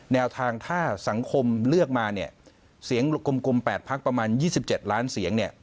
แนวทางถ้าสังคมเลือกมาเนี่ยเสียงกลม๘พักประมาณ๒๗ล้านเสียงเนี่ย